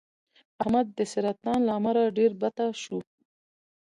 احمد د سرطان له امله ډېر بته شو.